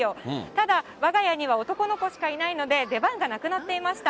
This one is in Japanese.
ただわが家には男の子しかいないので、出番がなくなっていました。